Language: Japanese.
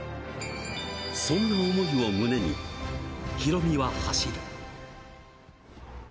そんな思いを胸にヒロミは走る。